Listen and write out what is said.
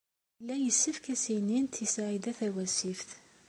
Yella yessefk ad as-inint i Saɛida Tawasift.